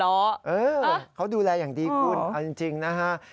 เออเขาดูแลอย่างดีคุณเอาจริงนะฮะ